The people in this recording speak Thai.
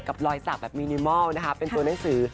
รอยสักแบบมินิมอลนะคะเป็นตัวหนังสือ